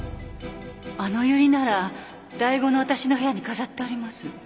あのユリなら醍醐のわたしの部屋に飾ってあります。